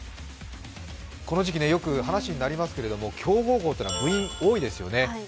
この時期よく話になりますけれども、強豪校って部員、多いですよね。